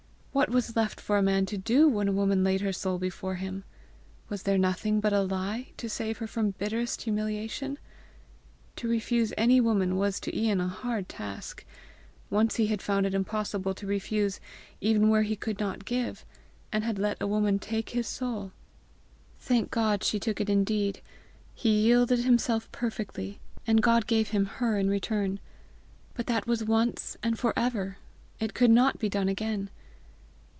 What was left for a man to do, when a woman laid her soul before him? Was there nothing but a lie to save her from bitterest humiliation? To refuse any woman was to Ian a hard task; once he had found it impossible to refuse even where he could not give, and had let a woman take his soul! Thank God, she took it indeed! he yielded himself perfectly, and God gave him her in return! But that was once, and for ever! It could not be done again!